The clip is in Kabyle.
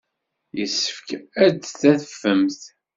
Yessefk ad d-tadfemt.